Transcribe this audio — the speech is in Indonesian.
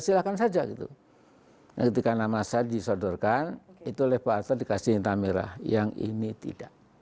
silakan saja gitu ketika nama saya disodorkan itu lebar terdekat cinta merah yang ini tidak